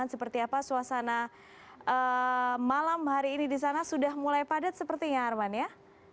seperti apa suasana malam hari ini di sana sudah mulai padat sepertinya arman ya